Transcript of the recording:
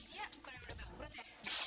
iya bukan yang udah bangkrut ya